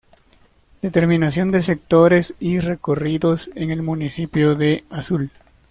Determinación de sectores y recorridos en el Municipio de Azul.